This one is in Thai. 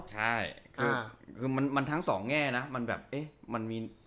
ใช่คือมันทั้งด้วยทั้งสองแง่นะมันเป็นแบบ